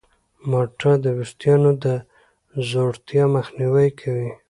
مالټه د ویښتانو د ځوړتیا مخنیوی کوي.